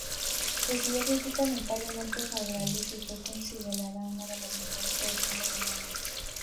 Recibió críticas notablemente favorables y fue considerado una de las mejores producciones del año.